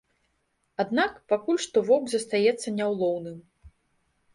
Аднак пакуль што воўк застаецца няўлоўным.